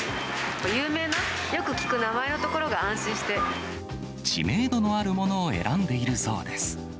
有名な、知名度のあるものを選んでいるそうです。